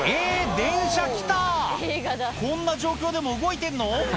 電車来たこんな状況でも動いてんの？